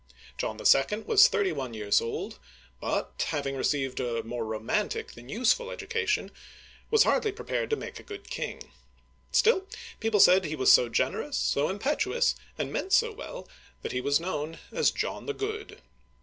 John 11. was thirty one years old, but, hav ing received a more romantic than useful education, was hardly prepared to make a good king. Still, people said he was so generous, so impetuous, and meant so well, that he was known as John the Good.